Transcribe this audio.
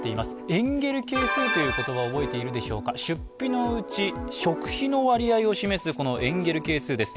エンゲル係数という言葉、覚えていますでしょうか、出費のうち、食費の割合を示すこのエンゲル係数です。